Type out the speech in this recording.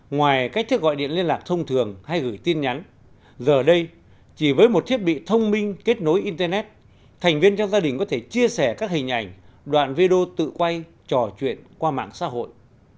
ngoài cách thức gọi điện liên lạc thông thường hay gửi tin nhắn giờ đây chỉ với một thiết bị thông minh kết nối internet thành viên trong gia đình có thể chia sẻ các hình ảnh đoạn video tự quay trò chuyện qua mạng xã hội